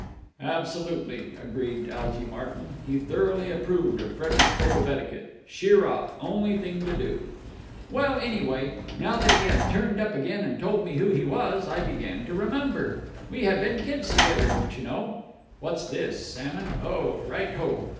"Absolutely," agreed Algy Martyn. He thoroughly approved of Freddie's code of etiquette. Sheer off. Only thing to do. "Well, anyhow, now that he had turned up again and told me who he was, I began to remember. We had been kids together, don't you know. (What's this? Salmon? Oh, right ho.)